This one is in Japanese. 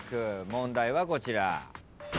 問題はこちら。